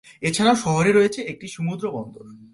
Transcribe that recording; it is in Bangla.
এছাড়াও শহরে রয়েছে একটি সমুদ্র বন্দর।